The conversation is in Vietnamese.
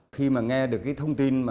khi mà nghe được cái thông tin